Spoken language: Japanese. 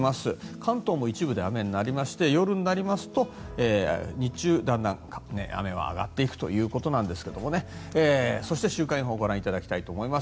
関東も一部で雨になりまして夜になりますと日中、だんだん雨は上がっていくということなんですがそして、週間予報をご覧いただきたいと思います。